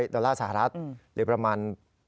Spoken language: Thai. ดอลลาร์สหรัฐหรือประมาณ๑๐๖๐๐๑๐๗๐๐